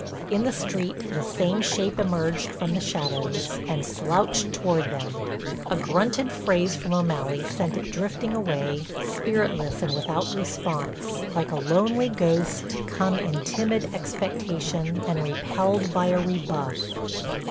In the street the same shape emerged from the shadows and slouched toward them. A grunted phrase from O'Malley sent it drifting away, spiritless and without response, like a lonely ghost come in timid expectation and repelled by a rebuff.